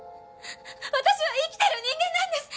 私は生きてる人間なんです。